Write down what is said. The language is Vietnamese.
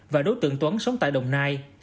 và đối tượng tuấn sống tại đồng nai